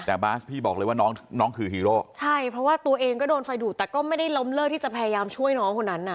แต่บาสพี่บอกเลยว่าน้องน้องคือฮีโร่ใช่เพราะว่าตัวเองก็โดนไฟดูดแต่ก็ไม่ได้ล้มเลิกที่จะพยายามช่วยน้องคนนั้นน่ะ